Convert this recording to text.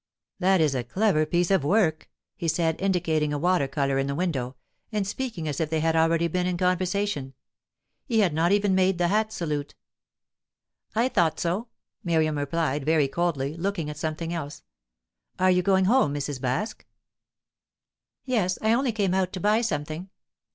"That is a clever piece of work," he said, indicating a water colour in the window, and speaking as if they had already been in conversation. He had not even made the hat salute. "I thought so," Miriam replied, very coldly, looking at something else. "Are you going home, Mrs. Baske?" "Yes. I only came out to buy something."